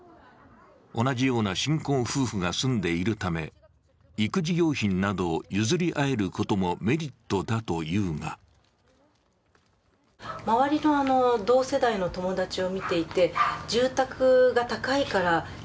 同じような新婚夫婦が住んでいるため、育児用品などを譲り合えることもメリットだというが日本で求められる少子化対策とは何か。